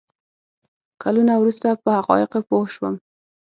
کلونه وروسته په حقایقو پوه شوم.